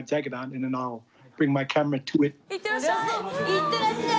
いってらっしゃい！